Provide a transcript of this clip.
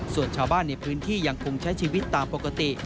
ส่วนชาวบ้านในพื้นที่ยังคงใช้ชีวิตตามปกติ